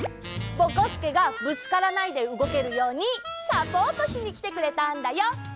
ぼこすけがぶつからないで動けるようにサポートしにきてくれたんだよ。ね！